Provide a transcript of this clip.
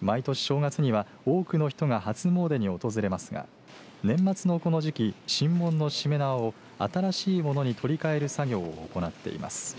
毎年、正月には多くの人が初詣に訪れますが年末のこの時期神門のしめ縄を新しいものに取りかえる作業を行っています。